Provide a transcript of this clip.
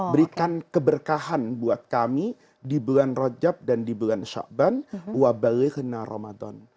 berikan keberkahan buat kami di bulan rajab dan di bulan syakban wa balikna ramadan